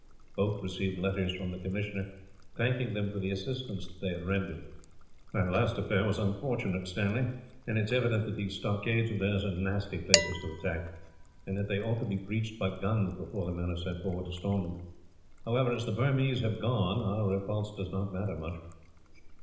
Both received letters from the commissioner, thanking them for the assistance that they had rendered. "That last affair was unfortunate, Stanley; and it is evident that these stockades of theirs are nasty places to attack, and that they ought to be breached by guns before the men are sent forward to storm them. However, as the Burmese have gone, our repulse does not matter much.